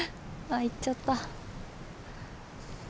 あ行っちゃった。